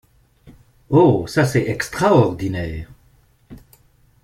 Oh ça c'est extraordinaire.